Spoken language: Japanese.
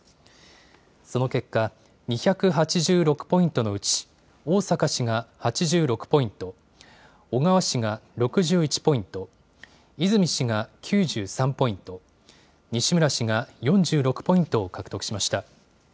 その結果、２８６ポイントのうち、逢坂氏が８６ポイント、小川氏が６１ポイント、泉氏が９３ポイント、西村氏が４６ポイントを獲得しました。